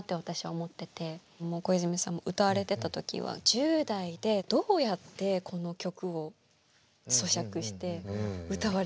小泉さんも歌われてた時は１０代でどうやってこの曲をそしゃくして歌われてたんだろうって。